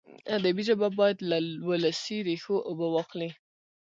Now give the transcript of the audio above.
ادبي ژبه باید له ولسي ریښو اوبه واخلي.